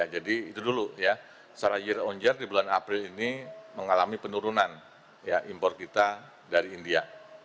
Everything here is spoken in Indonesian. itu dulu ya secara year on year di bulan april ini mengalami penurunan impor kita dari india